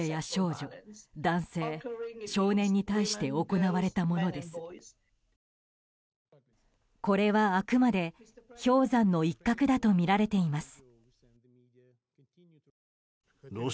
これは、あくまで氷山の一角だとみられています。